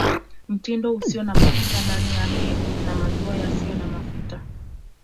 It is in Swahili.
Mtindi usio na mafuta ndani yake na maziwa yasiyo na mafuta